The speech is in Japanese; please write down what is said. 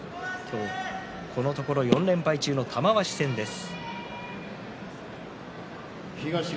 このところ４連敗中の玉鷲戦です。